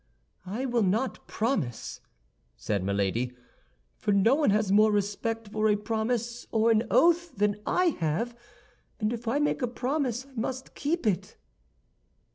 "I will not promise," said Milady, "for no one has more respect for a promise or an oath than I have; and if I make a promise I must keep it."